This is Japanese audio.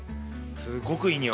すっごくいい匂い。